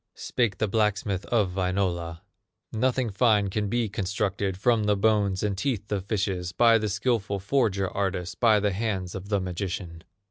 Spake the blacksmith of Wainola: "Nothing fine can be constructed From the bones and teeth of fishes By the skillful forger artist, By the hands of the magician."